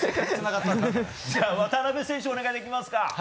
じゃあ、渡辺選手お願いできますか。